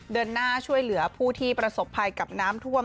เดินหน้าช่วยเหลือผู้ที่ประสบภัยกับน้ำท่วม